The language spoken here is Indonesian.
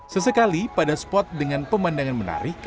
sesekali pada spot dengan pemandangan menarik